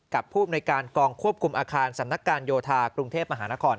ผู้อำนวยการกองควบคุมอาคารสำนักการโยธากรุงเทพมหานคร